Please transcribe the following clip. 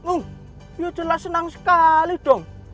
oh yaudahlah senang sekali dong